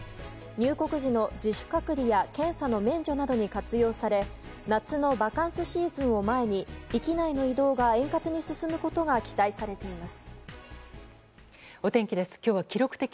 入国時の自主隔離や検査の免除などに活用され夏のバカンスシーズンを前に域内の移動が円滑に進むことが期待されています。